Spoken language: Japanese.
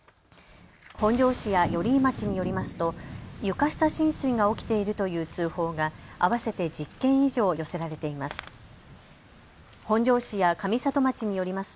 本庄市や寄居町によりますと床下浸水が起きているという通報が合わせて１０件以上寄せられています。